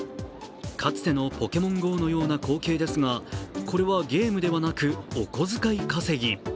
かつての「ポケモンＧＯ」のような光景ですが、これはゲームではなくお小遣い稼ぎ。